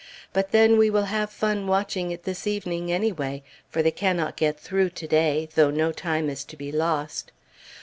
But then we will have fun watching it this evening anyway; for they cannot get through to day, though no time is to be lost.